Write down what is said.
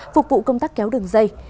phục vụ công tác kéo đường dây